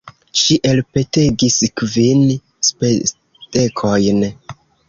Ŝi elpetegis kvin spesdekojn.